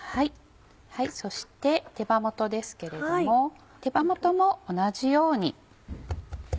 そして手羽元ですけれども手羽元も同じように。